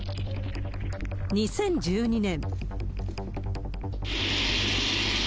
２０１２年。